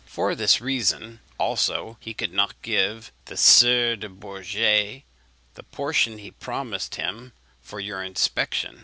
For this reason also he could not give the Sieur de Bourget the portion he promised him for your inspection.